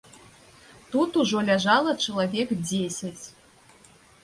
Тут ужо ляжала чалавек дзесяць.